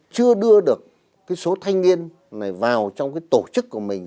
chưa đưa được cái số thanh niên này vào trong cái tổ chức của mình